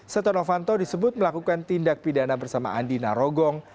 setonofanto disebut melakukan tindak pidana bersama andi narogong